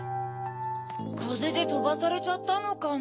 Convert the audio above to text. かぜでとばされちゃったのかな？